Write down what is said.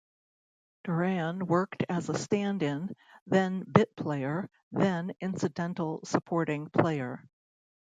Doran worked as a stand-in, then bit player, then incidental supporting player.